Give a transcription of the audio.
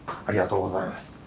ありがとうございます。